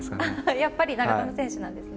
やっぱり長友選手なんですね。